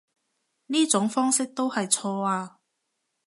呢種方式都係錯啊